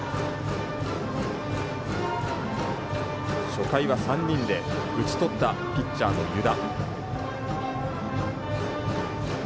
初回は３人で打ち取ったピッチャーの湯田。